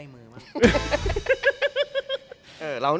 มาด้วย